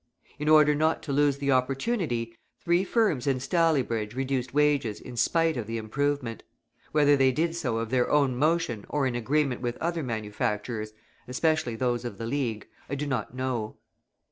In order not to lose the opportunity, three firms in Staleybridge reduced wages in spite of the improvement. Whether they did so of their own motion or in agreement with other manufacturers, especially those of the League, I do not know.